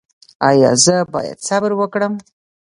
ایا زه باید صبر وکړم؟